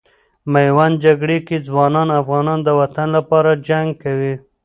میوند جګړې کې ځوان افغانان د وطن لپاره جنګ کوي.